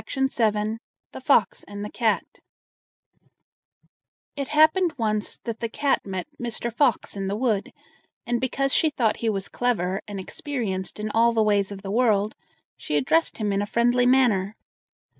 THE FOX AND THE CAT It happened once that the cat met Mr. Fox in the wood, and because she thought he was clever and experienced in all the ways of the world, she addressed him in a friendly manner.